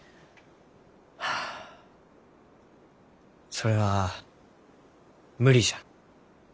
それは無理じゃ。